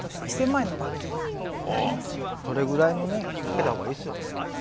それぐらいのねかけたほうがいいですよね。